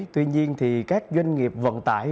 tuy nhiên thì các doanh nghiệp vận tải